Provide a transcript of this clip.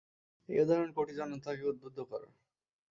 এই উদাহরণ কোটি জনতাকে উদ্বুদ্ধ করার।